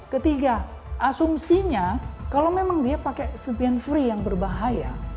ketiga asumsinya kalau memang dia pakai vpn free yang berbahaya